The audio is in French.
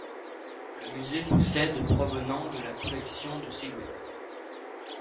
Le musée possède provenant de la collection de Séguin.